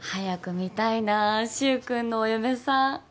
見たいなあ柊君のお嫁さん